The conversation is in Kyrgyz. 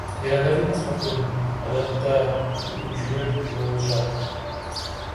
Жарандардын паспортун адатта үгүтчүлөр чогултушат.